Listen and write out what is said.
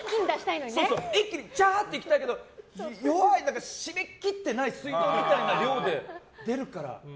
一気にジャーっていきたいけど弱い、締め切ってない水道みたいな量で出るから。